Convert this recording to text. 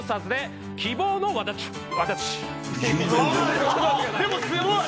「夢を」でもすごい！